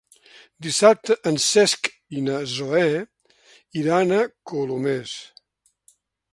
Dissabte en Cesc i na Zoè iran a Colomers.